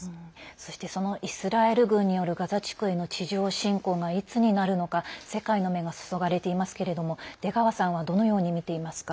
そしてイスラエル軍によるガザ地区への地上侵攻が、いつになるのか世界の目が注がれていますけれども出川さんはどのように見ていますか？